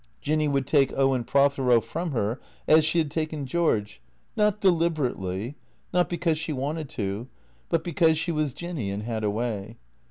Jinny would take Owen Prothero from her as she had taken George, not de liberately, not because she wanted to, but because she was Jinny and had a way.